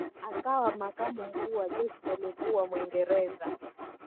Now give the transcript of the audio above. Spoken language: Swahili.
akawa makamu mkuu wa Jeshi aliyekuwa Mwingereza